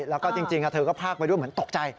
แล้วก็จริงเธอก็พากไปด้วยเหมือนตกใจ